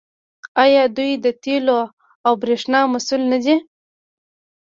آیا دوی د تیلو او بریښنا مسوول نه دي؟